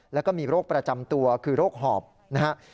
แล้วก็มีโรคประจำตัวคือโรคหอบนะครับ